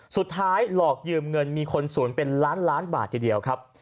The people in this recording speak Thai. สุดท้ายหลอกยืมเงินมีคนศูนย์เป็นล้านล้านบาททีเดียวครับ